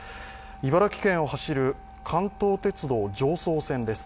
茨城県を走る関東鉄道常総線です。